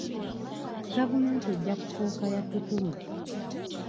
Gavumenti ejja kufuuka ya ttutumu.